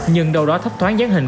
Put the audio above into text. nhưng đâu đó thấp thoáng gián hình